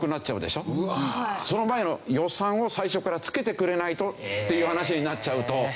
その前の予算を最初からつけてくれないとっていう話になっちゃうと。